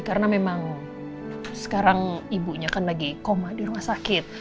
karena memang sekarang ibunya kan lagi koma di rumah sakit